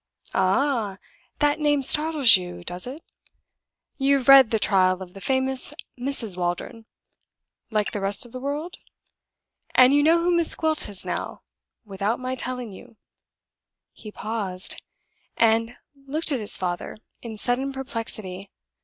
Aha! that name startles you, does it? You've read the Trial of the famous Mrs. Waldron, like the rest of the world? And you know who Miss Gwilt is now, without my telling you?" He paused, and looked at his father in sudden perplexity.